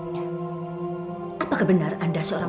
saya persis bahwa mereka sudah membunuh saya